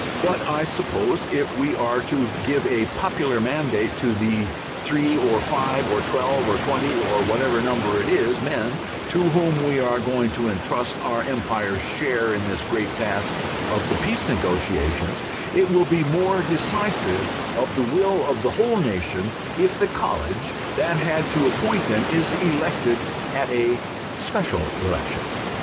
But I suppose if we are to give a popular mandate to the three or five or twelve or twenty (or whatever number it is) men to whom we are going to entrust our Empire's share in this great task of the peace negotiations, it will be more decisive of the will of the whole nation if the college that had to appoint them is elected at a special election.